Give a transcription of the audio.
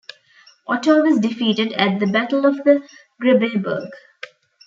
Otto was defeated at the Battle of the Grebbeberg.